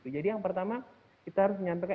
jadi yang pertama kita harus menyampaikan